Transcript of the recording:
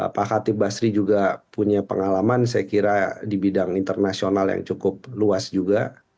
pak khatib basri juga punya pengalaman saya kira di bidang internasional yang cukup luas juga